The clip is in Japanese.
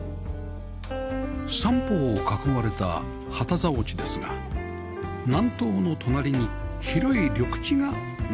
３方を囲まれた旗竿地ですが南東の隣に広い緑地が残されていました